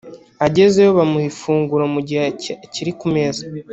Agezeyo bamuha ifunguro mu gihe akiri ku meza